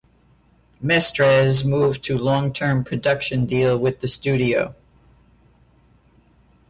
Mestres moved to long term production deal with the studio.